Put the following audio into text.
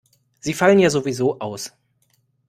Sie fallen ja sowieso aus.